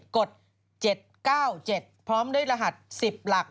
กฎ๗๙๗พร้อมด้วยรหัส๑๐หลัก